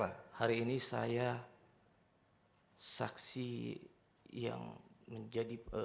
karena hari ini saya saksi yang menjadi